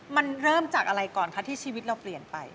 มันเริ่มจากอะไรก่อนคะที่ชีวิตเราเปลี่ยนไป